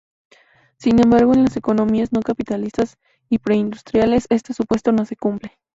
Sin embargo, en las economías no capitalistas y preindustriales, este supuesto no se cumple.